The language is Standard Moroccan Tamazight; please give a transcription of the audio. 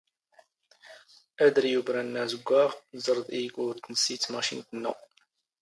ⴰⴷⵔ ⵉ ⵓⴱⵔⴰ ⵏⵏⴰ ⴰⵣⴳⴳⵯⴰⵖ, ⵜⵥⵕⴷ ⵉⴳ ⵓⵔ ⵜⵏⵙⵉ ⵜⵎⴰⵛⵉⵏⵜ ⵏⵏⴰ.